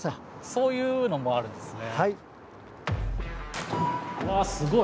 そういうのもあるんですね。わすごい。